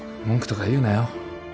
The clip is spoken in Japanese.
文句とか言うなよ